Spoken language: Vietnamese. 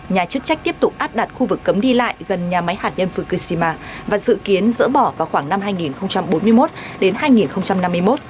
nhà chức trách tiếp tục áp đặt khu vực cấm đi lại gần nhà máy hạt nhân fukushima và dự kiến dỡ bỏ vào khoảng năm hai nghìn bốn mươi một đến hai nghìn năm mươi một